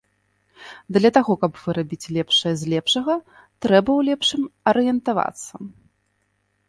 Для таго каб выбіраць лепшае з лепшага, трэба ў лепшым арыентавацца.